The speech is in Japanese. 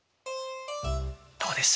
どうです？